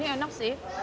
ini enak sih